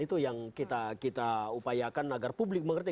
itu yang kita upayakan agar publik mengerti